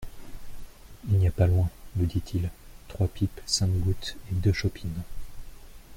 Il n'y a pas loin, nous dit-il, trois pipes, cinq gouttes et deux chopines.